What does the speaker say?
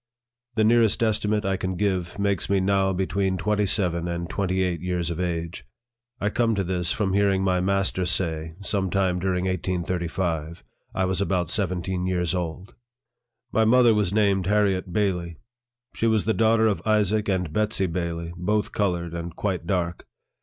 The nearest estimate I can give makes me now between twenty seven and twenty eight years of age. I come to this, from hearing my master say, some time during 1835, 1 was about seven teen years old. My mother was named Harriet Bailey. She was the daughter of Isaac and Betsey Bailey, both colored, and quite dark.